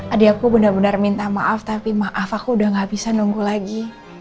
adikku benar benar minta maaf tapi maaf aku udah gak bisa nunggu lagi